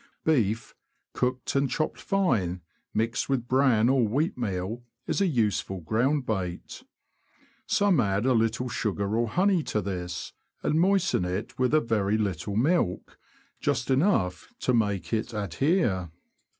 Beef, cooked and chopped fine, mixed with bran or wheatmeal, is a useful ground bait. Some add a little sugar or honey to this, and moisten it with a very little milk — just enough to make it adhere.